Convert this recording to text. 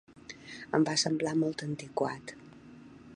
Em va semblar molt antiquat.